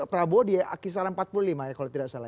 prabowo di akisaran empat puluh lima kalau tidak salah